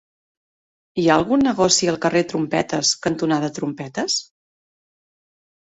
Hi ha algun negoci al carrer Trompetes cantonada Trompetes?